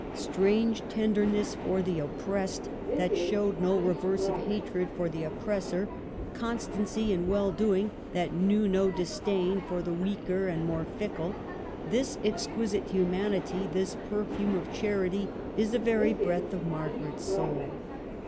Strange tenderness for the oppressed, 62 MARGARET OF ANGOULi:ME. that showed no reverse of hatred for the op pressor ; constancy in well doing, that knew no disdain for the weaker and more fickle, — this exquisite humanity, this perfume of charity, is the very breath of Margaret's soul.